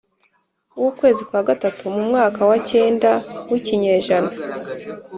w'ukwezi kwa gatatu, mu mwaka wa cyenda w'ikinyejana